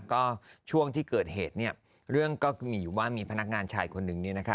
ก็ช่วงที่เกิดเหตุเนี่ยเรื่องก็มีอยู่ว่ามีพนักงานชายคนนึงเนี่ยนะคะ